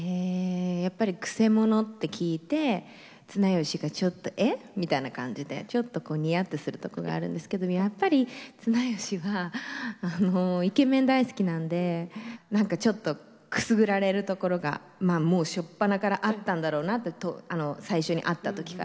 やっぱりくせ者って聞いて綱吉がちょっと「え？」みたいな感じでちょっとこうニヤッてするとこがあるんですけどやっぱり綱吉はイケメン大好きなんでちょっとくすぐられるところがもうしょっぱなからあったんだろうなって最初に会った時から。